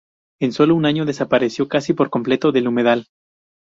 En solo un año despareció casi por completo del humedal.